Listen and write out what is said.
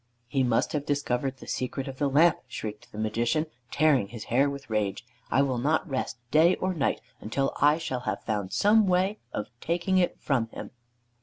"He must have discovered the secret of the lamp," shrieked the Magician, tearing his hair with rage. "I will not rest day or night until I shall have found some way of taking it from him."